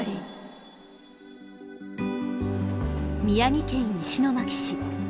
宮城県石巻市。